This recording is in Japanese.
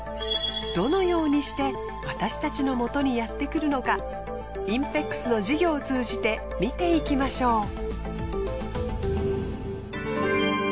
どのようにして私たちのもとにやってくるのかＩＮＰＥＸの事業を通じて見ていきましょう。